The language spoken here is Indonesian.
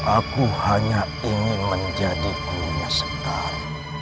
aku hanya ingin menjadi uniknya sekar